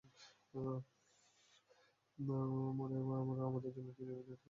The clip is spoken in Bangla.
মানে আমরা আমাদের জমি ফিরিয়ে দিয়ে ফেঁসে যাই।